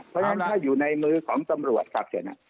เพราะฉะนั้นถ้าอยู่ในมือของตำรวจครับเชิญนะ